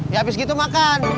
ya habis gitu makan